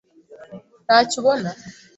Ntacyo ubona.